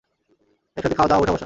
একসাথে খাওয়া-দাওয়া উঠা-বসা।